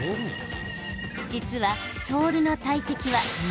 実は、ソールの大敵は熱。